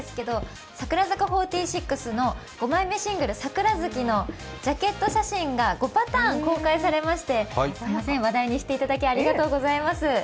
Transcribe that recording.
櫻坂４６の５枚目シングル「桜月」のジャケット写真が５パターン公開されまして、すみません、話題にしていただき、ありがとうございます。